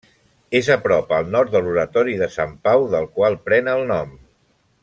És a prop al nord de l'Oratori de Sant Pau, del qual pren el nom.